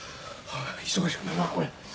忙しくなるなこれ。